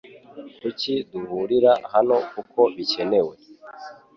Kuki duhurira hano kuko bikenewe